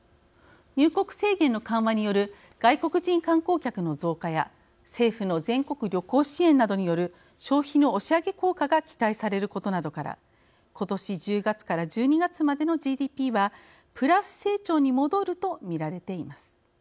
入国制限の緩和による外国人観光客の増加や政府の全国旅行支援などによる消費の押し上げ効果が期待されることなどから今年１０月から１２月までのＧＤＰはプラス成長に戻ると見られています。